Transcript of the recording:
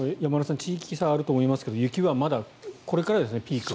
地域差があると思いますが雪はまだこれからですよねピークは。